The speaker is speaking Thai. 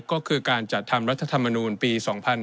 ก็คือการจัดทำรัฐธรรมนูลปี๒๕๕๙